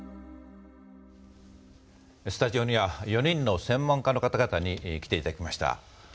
スタジオには４人の専門家の方々に来て頂きました。